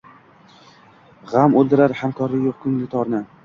G‘am o‘ldirar hamkori yo‘q, ko‘ngli torni